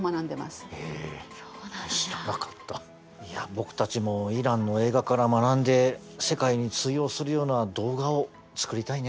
僕たちもイランの映画から学んで世界に通用するような動画を作りたいね。